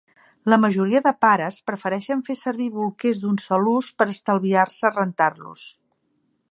La majoria de pares prefereixen fer servir bolquers d'un sol ús, per estalviar-se rentar-los